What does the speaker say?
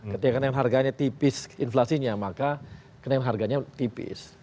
ketika kenaikan harganya tipis inflasinya maka kenaikan harganya tipis